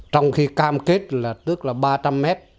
trong khi cam kết là ba trăm linh m